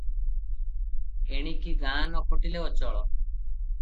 ଏଣିକି ଗାଁ ନ ଖଟିଲେ ଅଚଳ ।